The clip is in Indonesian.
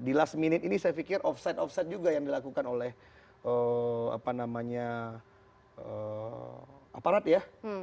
di last minute ini saya pikir off site off site juga yang dilakukan oleh apa namanya aparat ya